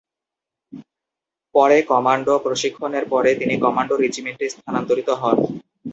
পরে কমান্ডো প্রশিক্ষণের পরে তিনি কমান্ডো রেজিমেন্টে স্থানান্তরিত হন।